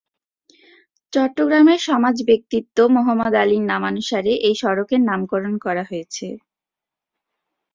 চট্টগ্রামের সমাজ ব্যক্তিত্ব মোহাম্মদ আলীর নামানুসারে এই সড়কের নামকরণ করা হয়েছে।